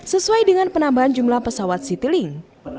sesuai dengan penambahan jumlah pesawat citylink